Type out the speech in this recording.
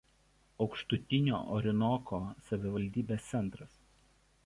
Aukštutinio Orinoko savivaldybės centras.